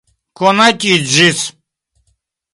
konatiĝis